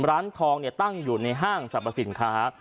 ร้านทองตั้งอยู่ในห้างสรรพสินค้า